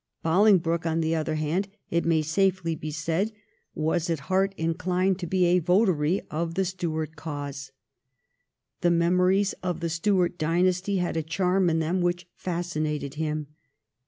Bolingbroke, on the other hand, it may safely be said, was at heart inclined to be a votary of the Stuart cause. The memories of the Stuart dynasty had a charm in them which fascinated him.